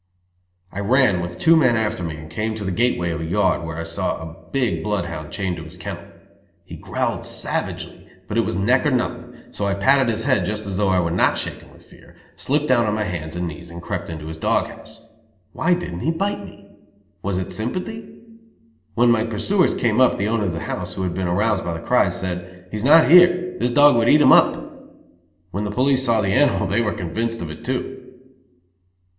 I ran, with two men after me, and came to the gateway of a yard, where I saw a big bloodhound chained to his kennel. He growled savagely, but it was neck or nothing, so I patted his head just as though I were not shaking with fear, slipped down on my hands and knees and crept into his dog house. Why didn't he bite me? Was it sympathy? When my pursuers came up, the owner of the house, who had been aroused by the cries, said: "He is not here. This dog would eat him up." When the police saw the animal they were convinced of it too.